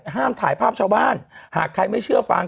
ห้ามถ่ายภาพชาวบ้านหากใครไม่เชื่อฟัง